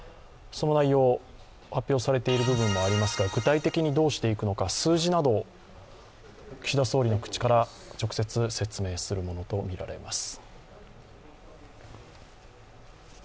その内容を、発表されている部分もありますが、具体的にどうしていくのか、数字などを岸田総理の口から直接説明するものとみられます。